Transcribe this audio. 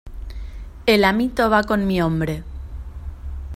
el amito va con mi hombre.